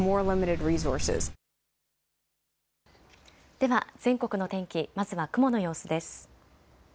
では全国の天気、まずは雲の様子です。